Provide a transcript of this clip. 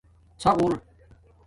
ݼاغُݸر